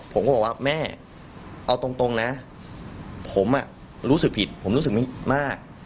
ผมก็บอกว่าแม่เอาตรงนะผมรู้สึกผิดผมรู้สึกไม่มาก